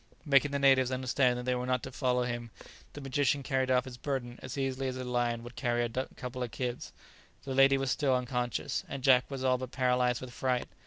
Making the natives understand that they were not to follow him, the magician carried off his burden as easily as a lion would carry a couple of kids. The lady was still unconscious, and Jack was all but paralyzed with fright.